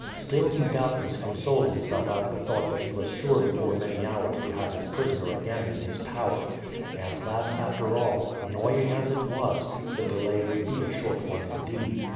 Still he doubtless consoled himself at the thought that he was sure before many hours to have his prisoner again in his power, and that, after all, annoying as it was, the delay would be a short one indeed.